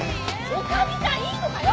女将さんいいのかよ！